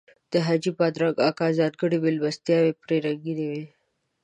د حاجي بادرنګ اکا ځانګړي میلمستیاوې پرې رنګینې وې.